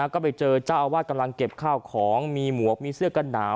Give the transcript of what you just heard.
ก็ไปเจอเจ้าอาวาสกำลังเก็บข้าวของมีหมวกมีเสื้อกันหนาว